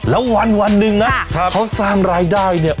แล้ววันหนึ่งนะเขาสร้างรายได้เนี่ย